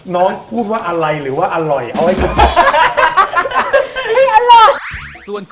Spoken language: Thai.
น้องพูดว่าอะไรหรือว่าอร่อย